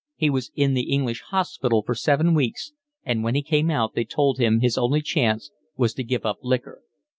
He was in the English hospital for seven weeks, and when he came out they told him his only chance was to give up liquor."